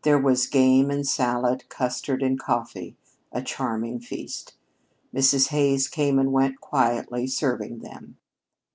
There was game and salad, custard and coffee a charming feast. Mrs. Hays came and went quietly serving them.